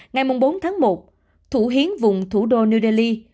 ngày bốn tháng một thủ hiến vùng thủ đô new delhi